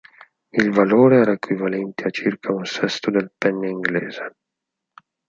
Il valore era equivalente a circa un sesto del penny inglese.